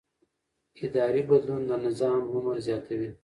اداري بدلون د نظام عمر زیاتوي